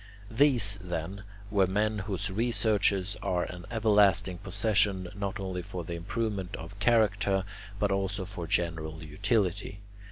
These, then, were men whose researches are an everlasting possession, not only for the improvement of character but also for general utility.